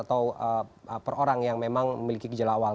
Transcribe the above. atau perorang yang memang memiliki gejala awal